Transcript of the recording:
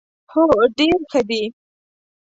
هو، ډیر ښه دي